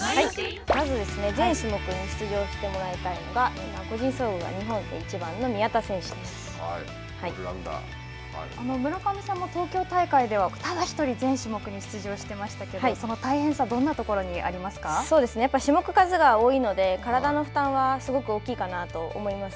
まずですね、全種目に出場してもらいたいのが個人総合が日本で村上さんも東京大会では、ただ１人、全種目に出場していましたけど、その大変さ、どんなところやっぱり種目数が多いので、体の負担は、すごく大きいかなと思います。